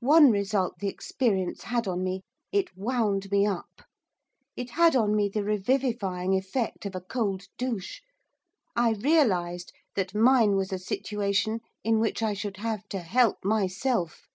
One result the experience had on me, it wound me up. It had on me the revivifying effect of a cold douche. I realised that mine was a situation in which I should have to help myself.